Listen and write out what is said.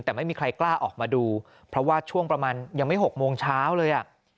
แต่ไม่มีใครกล้าออกมาดูเพราะว่าช่วงประมาณยังไม่๖โมงเช้าเลยอ่ะ